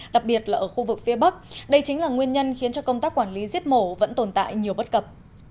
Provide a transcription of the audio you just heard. đặc biệt là ở khu vực phía bắc đây chính là nguyên nhân khiến cho công tác quản lý giết mổ vẫn tồn tại nhiều bất cập